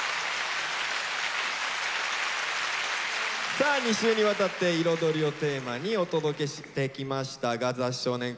さあ２週にわたって「彩り」をテーマにお届けしてきましたが「ザ少年倶楽部」